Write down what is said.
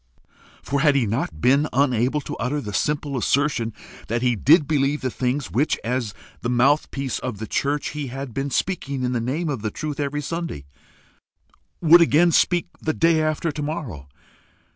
For had he not been unable to utter the simple assertion that he did believe the things which, as the mouthpiece of the church, he had been speaking in the name of the truth every Sunday would again speak the day after to morrow?